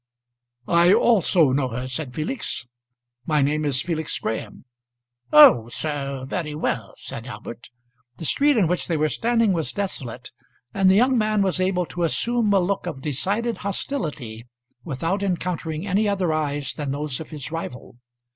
"I also know her," said Felix. "My name is Felix Graham " "Oh, sir, very well," said Albert. The street in which they were standing was desolate, and the young man was able to assume a look of decided hostility without encountering any other eyes than those of his rival.